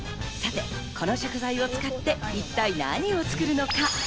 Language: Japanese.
さてこの食材を使って一体何を作るのか。